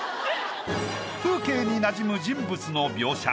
風景になじむ人物の描写。